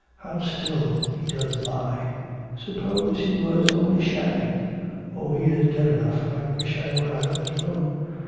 How still he does lie! Suppose he were only shamming. Oh, he is dead enough. I wish I were out of this room.